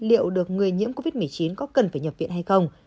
liệu được người nhiễm covid một mươi chín có cần phải nhập viện hay không